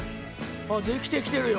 できてきてるよ。